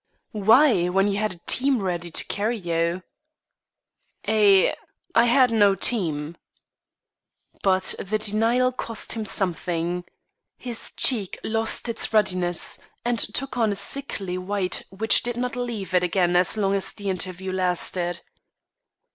"Why, when you had a team ready to carry you?" "A I had no team." But the denial cost him something. His cheek lost its ruddiness, and took on a sickly white which did not leave it again as long as the interview lasted.